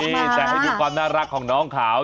นี่แต่ให้ดูความน่ารักของน้องเขา